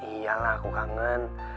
iya lah aku kangen